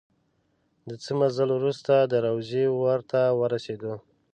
د څه مزل وروسته د روضې ور ته ورسېدو.